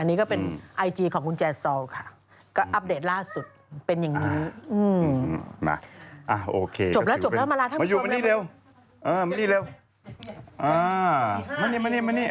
นี่ก็เป็นไอจีของคุณแจซอลค่ะก็อัปเดตล่าสุดเป็นอย่างนี้